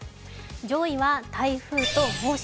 上位は台風と猛暑。